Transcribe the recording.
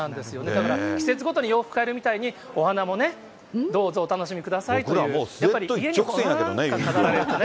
だから季節ごとに洋服かえるみたいにお花もね、どうぞお楽しみくださいという、やっぱり家に花なんか飾られるとね。